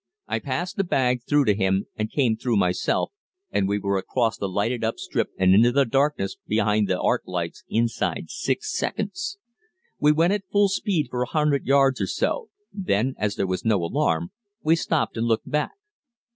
I passed the bag through to him and came through myself, and we were across the lighted up strip and into the darkness behind the arc lights inside six seconds. We went at full speed for a hundred yards or so, then, as there was no alarm, we stopped and looked back.